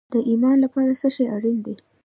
د ایمان لپاره څه شی اړین دی؟